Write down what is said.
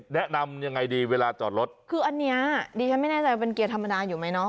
แนะนำยังไงดีเวลาจอดรถคืออันเนี้ยดิฉันไม่แน่ใจว่าเป็นเกียร์ธรรมดาอยู่ไหมเนาะ